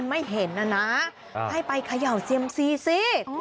ไม่เห็นนะนะให้ไปเขย่าเซียมซีสิ